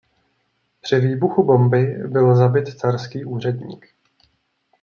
Při výbuchu bomby byl zabit carský úředník.